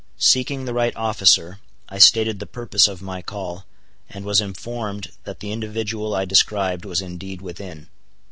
Seeking the right officer, I stated the purpose of my call, and was informed that the individual I described was indeed within.